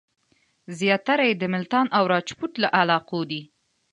زیاتره یې د ملتان او راجپوت له علاقو دي.